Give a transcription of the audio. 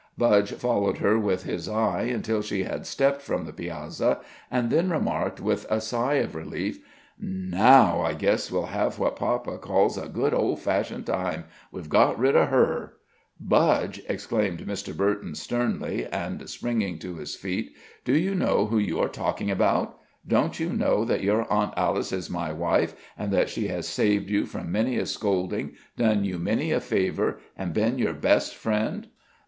Budge followed her with his eye until she had stepped from the piazza, and then remarked, with a sigh of relief: "Now I guess we'll have what papa calls a good, old fashioned time we've got rid of her." "Budge!" exclaimed Mr. Burton, sternly, and springing to his feet, "do you know who you are talking about? Don't you know that your Aunt Alice is my wife, and that she has saved you from many a scolding, done you many a favor, and been your best friend?"